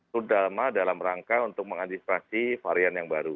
sudah lama dalam rangka untuk mengadministrasi varian yang baru